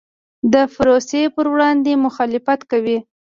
د پروسې پر وړاندې مخالفت کوي.